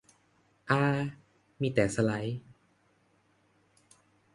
อา มีแต่สไลด์